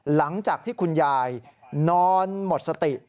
หลังจากที่คุณยายนอนหมดสติ